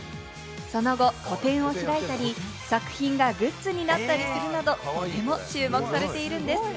その後、個展を開いたり、作品がグッズになったりするなど、とても注目されているんです。